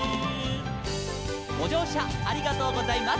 「ごじょうしゃありがとうございます」